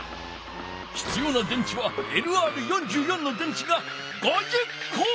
ひつような電池はＬＲ４４の電池が５０こ！